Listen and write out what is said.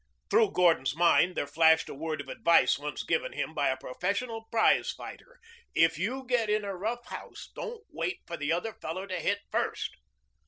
Through Gordon's mind there flashed a word of advice once given him by a professional prize fighter: "If you get in a rough house, don't wait for the other fellow to hit first."